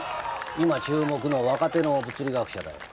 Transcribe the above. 今注目の若手の物理学者だよ。